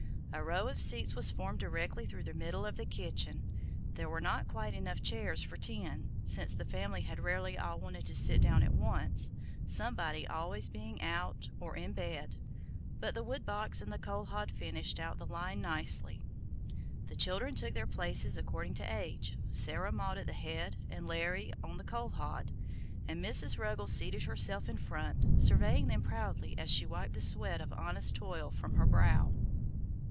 A row of seats was formed directly through the middle of the kitchen. There were not quite chairs enough for ten, since the family had rarely all wanted to sit down at once, somebody always being out, or in bed, but the wood box and the coal hod finished out the line nicely. The children took their places according to age, Sarah Maud at the head and Larry on the coal hod, and Mrs. Ruggles seated herself in front, surveying them proudly as she wiped the sweat of honest toil from her brow.